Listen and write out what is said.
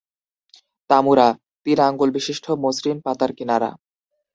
তামুরা: তিন-আঙুলবিশিষ্ট, মসৃণ পাতার কিনারা।